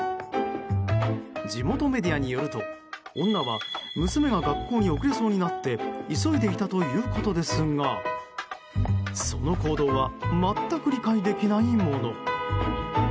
地元メディアによると女は娘が学校に遅れそうになって急いでいたということですがその行動は全く理解できないもの。